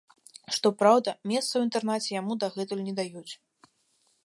Што праўда, месца ў інтэрнаце яму дагэтуль не даюць.